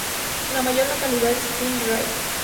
La mayor localidad es Pine Ridge.